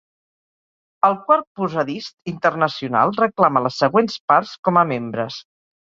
El quart Posadist internacional reclama les següents parts com a membres.